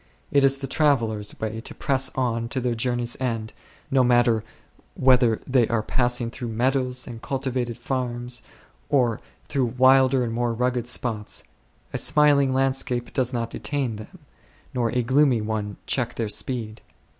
It is the travellers' way to press on to their journey's end, no matter whether they are passing through meadows and cultivated farms, or through wilder and more rugged spots ; a smiling land scape does not detain them, nor a gloomy one check their speed.